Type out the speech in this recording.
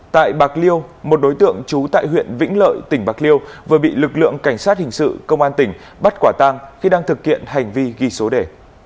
tại bạc liêu một đối tượng trú tại huyện vĩnh lợi tỉnh bạc liêu vừa bị lực lượng cảnh sát hình sự công an tỉnh bắt quả tang khi đang thực hiện hành vi ghi số đề